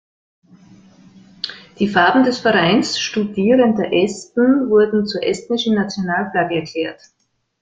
Die Farben des Vereins Studierender Esten wurden zur estnischen Nationalflagge erklärt.